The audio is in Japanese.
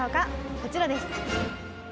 こちらです。